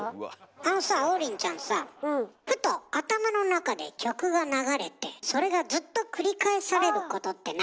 あのさ王林ちゃんさふと頭の中で曲が流れてそれがずっと繰り返されることってない？